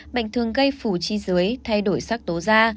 bệnh thường gây phủ chi dưới thay đổi sắc tố da